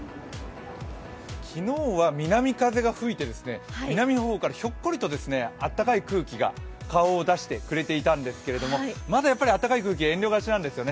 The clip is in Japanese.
昨日は南風が吹いて、南の方からひょっこりと温かい空気が顔を出してくれていたんですがまだやっぱり暖かい空気は遠慮がちなんですよね。